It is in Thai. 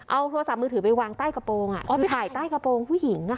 เอาโทรศัพท์มือถือไปวางใต้กระโปรงเอาไปถ่ายใต้กระโปรงผู้หญิง